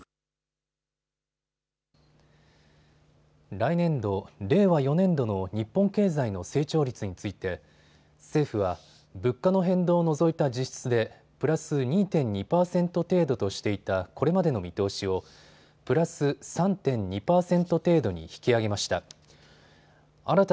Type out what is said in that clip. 来年度・令和４年度の日本経済の成長率について政府は物価の変動を除いた実質でプラス２．２％程度としていたこれまでの見通しをプラス３．２％程度に引き上げました。